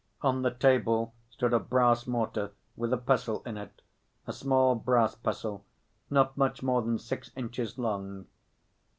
On the table stood a brass mortar, with a pestle in it, a small brass pestle, not much more than six inches long.